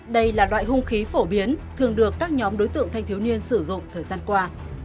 đây là loại hung khí phổ biến thường được các nhóm đối tượng thanh thiếu niên sử dụng thời gian qua